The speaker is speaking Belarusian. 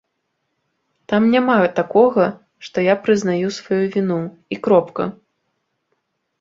Там няма такога, што я прызнаю сваю віну, і кропка.